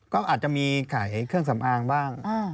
ก็อาจจะมีขายเครื่องสำอางบ้าง